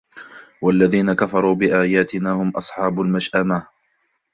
وَالَّذِينَ كَفَرُوا بِآيَاتِنَا هُمْ أَصْحَابُ الْمَشْأَمَةِ